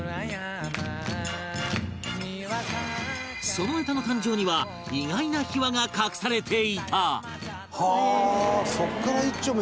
その歌の誕生には意外な秘話が隠されていたはあ！